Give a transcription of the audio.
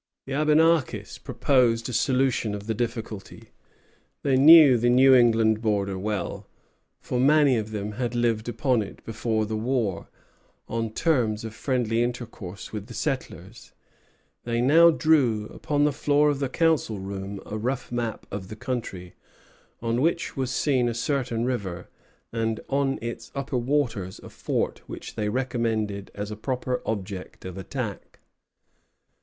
The Abenakis proposed a solution of the difficulty. They knew the New England border well, for many of them had lived upon it before the war, on terms of friendly intercourse with the settlers. They now drew upon the floor of the council room a rough map of the country, on which was seen a certain river, and on its upper waters a fort which they recommended as a proper object of attack.